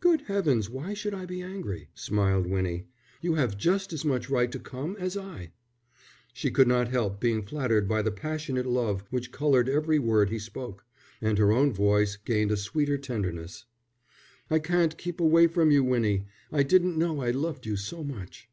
"Good heavens, why should I be angry?" smiled Winnie. "You have just as much right to come as I." She could not help being flattered by the passionate love which coloured every word he spoke, and her own voice gained a sweeter tenderness. "I can't keep away from you, Winnie. I didn't know I loved you so much."